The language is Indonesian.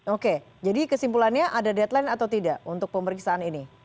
oke jadi kesimpulannya ada deadline atau tidak untuk pemeriksaan ini